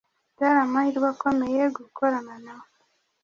Byari amahirwe akomeye gukorana nawe.